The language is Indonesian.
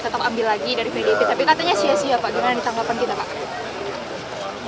tapi katanya sia sia pak dengan ditanggapan kita pak